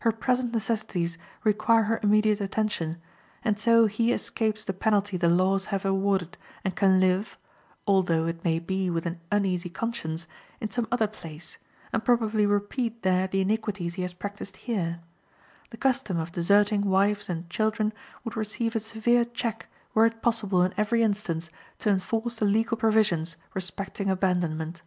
Her present necessities require her immediate attention, and so he escapes the penalty the laws have awarded, and can live (although it may be with an uneasy conscience) in some other place, and probably repeat there the iniquities he has practiced here. The custom of deserting wives and children would receive a severe check were it possible in every instance to enforce the legal provisions respecting abandonment.